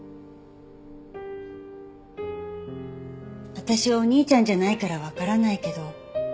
私はお兄ちゃんじゃないからわからないけど。